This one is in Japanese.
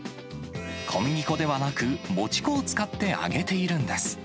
小麦粉ではなく、もち粉を使って揚げているんです。